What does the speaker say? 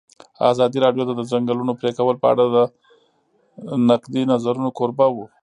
ازادي راډیو د د ځنګلونو پرېکول په اړه د نقدي نظرونو کوربه وه.